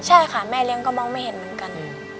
ใช่ค่ะแม่เลี้ยงก็มองไม่เห็นเหมือนกัน